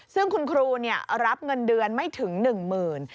ซึ่งคุณครูเนี่ยรับเงินเดือนไม่ถึงหนึ่งหมื่น